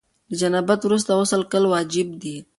له جنابت وروسته غسل کول واجب دي.